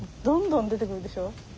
どんどん出てくるでしょ？